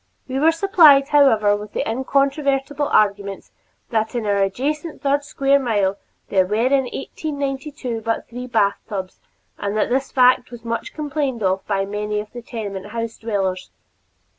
We were supplied, however, with the incontrovertible argument that in our adjacent third square mile there were in 1892 but three bathtubs and that this fact was much complained of by many of the tenement house dwellers.